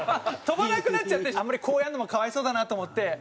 飛ばなくなっちゃってあんまりこうやるのも可哀想だなと思って。